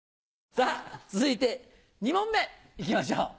さぁ続いて２問目行きましょう。